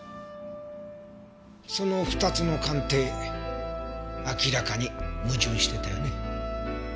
その２つの鑑定明らかに矛盾してたよね？